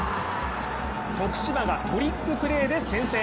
徳島がトリックプレーで先制。